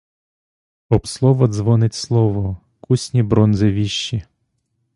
Об слово дзвонить слово — кусні бронзи віщі.